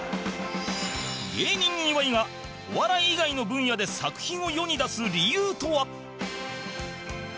芸人岩井がお笑い以外の分野で作品を世に出す理由とは？